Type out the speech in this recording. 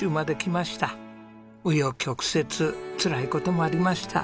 紆余曲折つらい事もありました。